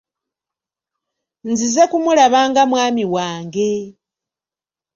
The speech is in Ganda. Nzize kumulaba nga mwami wange.